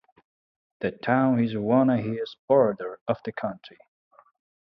The town is on the east border of the county.